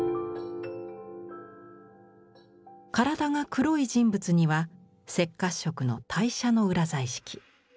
体が黒い人物には赤褐色の代赭の裏彩色。